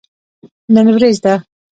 نن وريځ ده